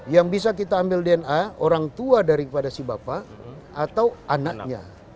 yang bisa kita ambil dna orang tua daripada si bapak atau anaknya